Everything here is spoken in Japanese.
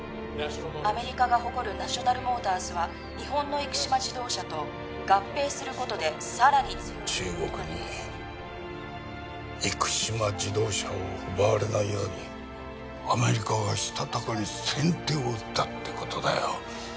アメリカが誇るナショナルモータースは日本の生島自動車と合併することでさらに中国に生島自動車を奪われないようにアメリカがしたたかに先手を打ったってことだよ